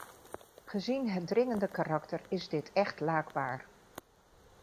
Gezien het dringende karakter is dit echt laakbaar.